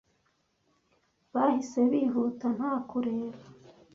Bahise bihuta nta kureba.